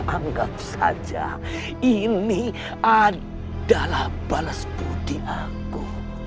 anggap saja ini adalah balas budi aku